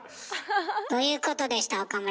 ということでした岡村。